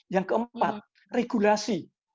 yang keempat regulasi